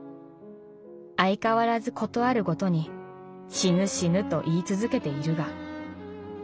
相変わらず事あるごとに『死ぬ死ぬ』と言い続けているが。